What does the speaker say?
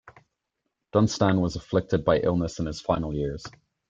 Dunstan was afflicted by illness in his final years.